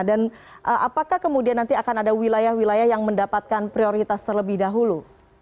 dan apakah kemudian nanti akan ada wilayah wilayah yang mendapatkan prioritas terlebih dahulu